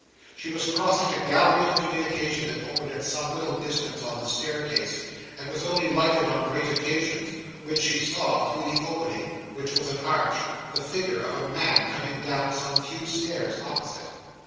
She was crossing a gallery of communication that opened at some little distance on the staircase, and was only lighted on great occasions, when she saw, through the opening, which was an arch, the figure of a man coming down some few stairs opposite.